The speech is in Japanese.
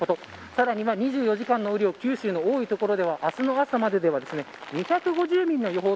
さらに２４時間の雨量九州の多い所では明日の朝まで２５０ミリの予報